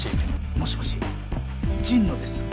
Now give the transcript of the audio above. もしもし神野です。